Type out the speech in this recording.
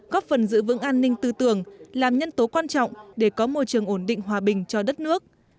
góp phần giữ vững an ninh tư tưởng làm nhân tố quan trọng để có môi trường ổn định hòa bình cho đất nước